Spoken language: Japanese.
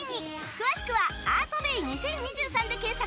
詳しくはアートベイ２０２３で検索。